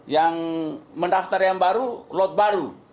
yang mendaftar yang baru lot baru